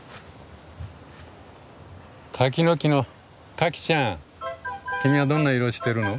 柿の木のカキちゃん君はどんな色をしてるの？